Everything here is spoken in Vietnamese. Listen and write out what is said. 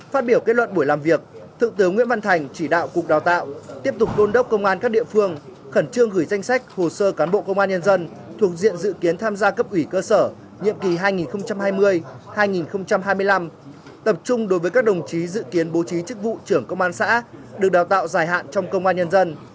phát biểu kết luận buổi làm việc thượng tướng nguyễn văn thành chỉ đạo cục đào tạo tiếp tục đôn đốc công an các địa phương khẩn trương gửi danh sách hồ sơ cán bộ công an nhân dân thuộc diện dự kiến tham gia cấp ủy cơ sở nhiệm kỳ hai nghìn hai mươi hai nghìn hai mươi năm tập trung đối với các đồng chí dự kiến bố trí chức vụ trưởng công an xã được đào tạo dài hạn trong công an nhân dân